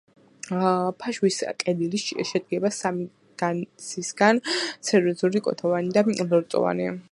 ფაშვის კედელი შედგება სამი გარსისაგან: სერიოზული, კუნთოვანი და ლორწოვანი.